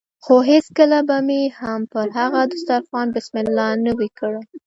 خو هېڅکله به مې هم پر هغه دسترخوان بسم الله نه وي کړې.